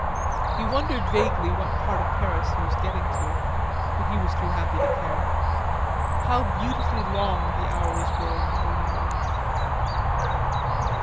He wondered vaguely what part of Paris he was getting to, but was too happy to care. How beautifully long the hours were in the early morning!